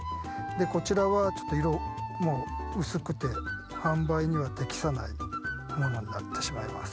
こちらはちょっと色、もう薄くて、販売には適さないものになってしまいます。